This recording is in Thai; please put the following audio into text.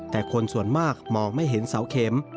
แต่คนส่วนมากมองไม่เห็นเสาเข็ม